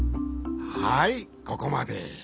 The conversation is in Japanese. はいここまで。